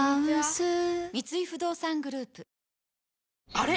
あれ？